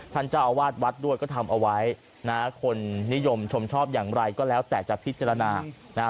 ท่านเจ้าอาวาสวัดด้วยก็ทำเอาไว้นะคนนิยมชมชอบอย่างไรก็แล้วแต่จะพิจารณานะฮะ